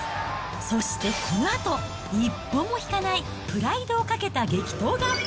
そしてこのあと、一歩も引かないプライドをかけた激闘が。